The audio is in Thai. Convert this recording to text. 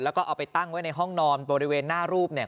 แล้วก็เอาไปตั้งไว้ในห้องนอนบริเวณหน้ารูปเนี่ย